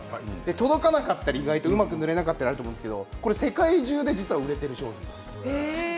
届かなかったりうまく塗れなかったりするんですけど世界中で売れている商品です。